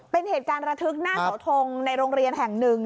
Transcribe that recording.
เป็นเหตุการณ์ระทึกหน้าเสาทงในโรงเรียนแห่งหนึ่ง